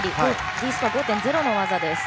Ｄスコア５．０の技です。